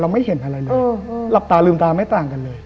ไม่เห็นอะไรเลยหลับตาลืมตาไม่ต่างกันเลย